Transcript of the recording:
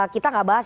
kita gak bahas